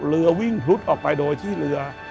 เรือวิ่งพลุดออกไปโดยที่เรือ